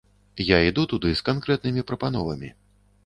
Я іду туды з канкрэтнымі прапановамі.